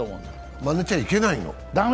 まねちゃいけないの？